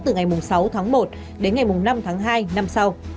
từ ngày sáu tháng một đến ngày năm tháng hai năm sau